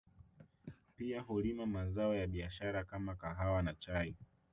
Pia hulima mazao ya biashara kama kahawa na chai